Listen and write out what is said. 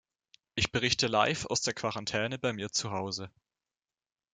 Ich berichte live aus der Quarantäne bei mir zu Hause.